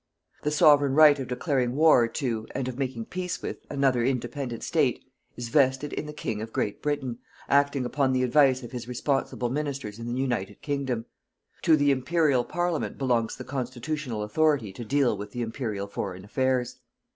The Sovereign right of declaring war to, and of making peace with, another independent State, is vested in the King of Great Britain, acting upon the advice of his responsible Ministers in the United Kingdom. To the Imperial Parliament belongs the constitutional authority to deal with the Imperial Foreign Affairs.